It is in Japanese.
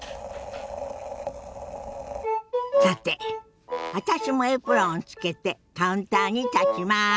さて私もエプロンをつけてカウンターに立ちます。